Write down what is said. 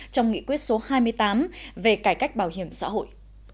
trong nghị quyết số hai mươi tám về cải cách bảo hiểm xã hội